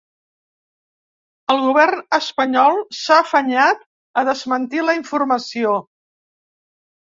El govern espanyol s’ha afanyat a desmentir la informació.